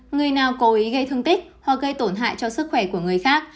người nào cố ý gây thương tích hoặc gây tổn hại cho sức khỏe của người khác